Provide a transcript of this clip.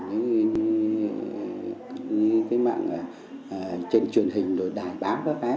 những cái mạng trên truyền hình rồi đài báo các cái